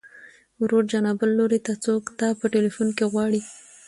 ورور جانه بل لوري ته څوک تا په ټليفون کې غواړي.